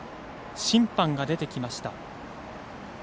審判が出てきました。